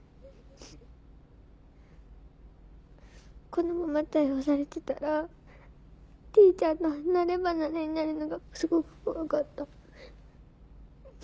このまま逮捕されてたらＴｅａｃｈｅｒと離れ離れになるのがすごく怖かった。